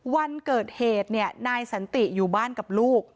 วันเกิดเหตุเนี่ยนายสันติอยู่บ้านกับลูก